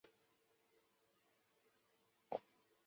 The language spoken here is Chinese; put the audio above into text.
不少电影如尼基塔和憨豆的黄金周都曾经在这里取景。